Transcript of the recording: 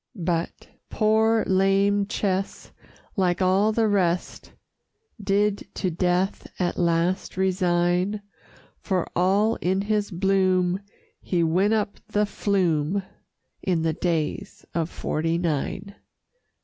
But Poor Lame Ches, like all the rest, Did to death at last resign, For all in his bloom he went up the Flume In the Days of 'Forty Nine.